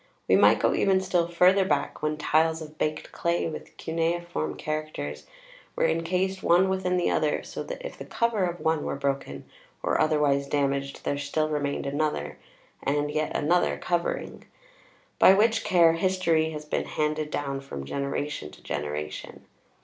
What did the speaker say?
We might go even still further back, when tiles of baked clay with cuneiform characters were incased one within the other, so that if the cover of one were broken or otherwise damaged there still remained another, and yet another covering; by which care history has been handed down from generation to generation.